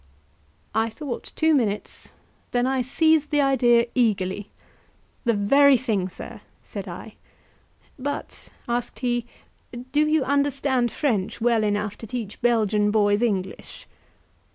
I thought two minutes, then I seized the idea eagerly. "The very thing, sir!" said I. "But," asked he, "do you understand French well enough to teach Belgian boys English?"